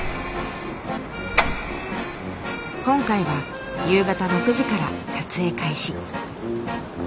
今回は夕方６時から撮影開始。